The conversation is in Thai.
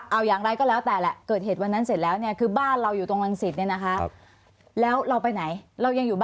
เอาอย่างไรก็แล้วแต่แล้วเกิดเหตุวันนั้นเสร็จแล้วเนี่ย